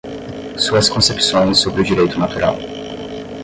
Suas concepções sobre o Direito Natural